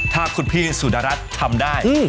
ถ้าคุณพี่สุดรัสทำได้